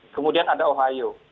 kemudian ada ohio